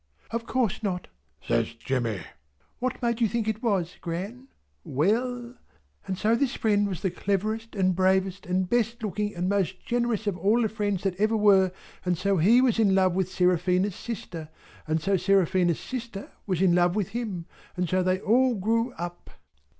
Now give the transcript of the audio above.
"Of course not," says Jemmy. "What made you think it was, Gran? Well! And so this friend was the cleverest and bravest and best looking and most generous of all the friends that ever were, and so he was in love with Seraphina's sister, and so Seraphina's sister was in love with him, and so they all grew up."